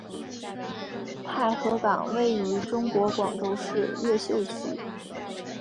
太和岗位于中国广州市越秀区。